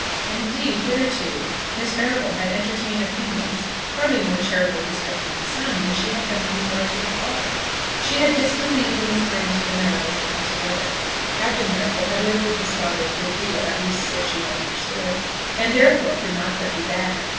And indeed, hitherto, Miss Marrable had entertained opinions hardly more charitable respecting the son than she had done in regard to the father. She had disbelieved in this branch of the Marrables altogether. Captain Marrable had lived with his father a good deal, at least, so she had understood, and therefore could not but be bad.